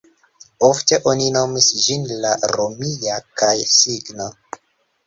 Ofte oni nomis ĝin la "romia" kaj-signo.